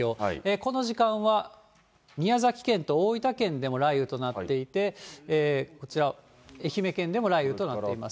この時間は宮崎県と大分県でも雷雨となっていて、こちら、愛媛県でも雷雨となっています。